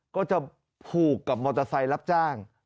ก็จะผูกกับมอเตอร์ไซค์รับจ้าง